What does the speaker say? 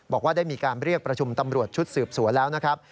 บอกว่าได้มีการเรียกประชุมตำรวจชุดสืบสวนแล้วนะครับ